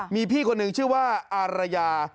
มีพี่คนหนึ่งชื่อว่าอารยา